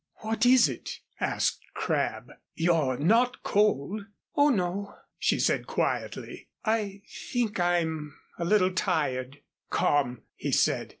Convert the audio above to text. "What is it?" asked Crabb. "You are not cold?" "Oh, no," she said quietly. "I think I am a little tired." "Come," he said.